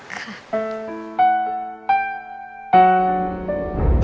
ค่ะ